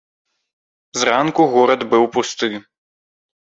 Зранку горад быў пусты.